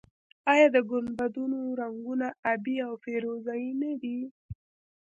آیا د ګنبدونو رنګونه ابي او فیروزه یي نه دي؟